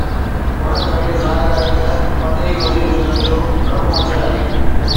ان ڪري ظاهر آهي ته پرڏيهي وزير جو درجو گهڻو مٿي آهي.